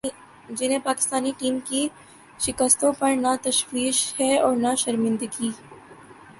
جنہیں پاکستانی ٹیم کی شکستوں پر نہ تشویش ہے اور نہ شرمندگی ۔